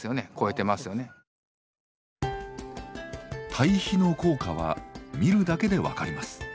堆肥の効果は見るだけで分かります。